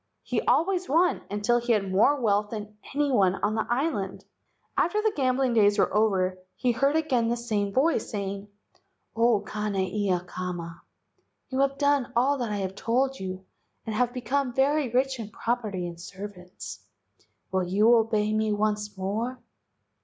He always won until he had more wealth than any one on the island. After the gambling days were over he heard again the same voice saying: "O Kane ia kama, you have done all that I told you and have become very rich in property and servants. Will you obey once more?"